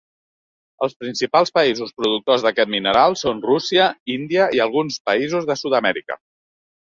Els principals països productors d'aquest mineral són Rússia, Índia i alguns països de Sud-amèrica.